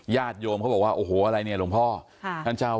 ญาติยอมเขาบอกว่าโอ้โหอะไรเนี่ยล่าพ่อท่านเจ้าวาส